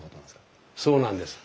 そうなんです。